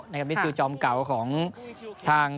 นี่คือจอมเก่าของทาง